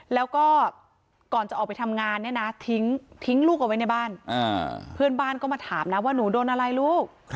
แล้วก็ก่อนจะออกไปทำงานเนี่ยนะทิ้งลูกเอาไว้ในบ้านเพื่อนบ้านก็มาถามนะว่าหนูโดนอะไรลูก